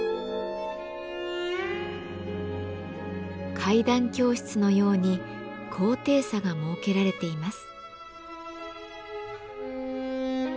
階段教室のように高低差が設けられています。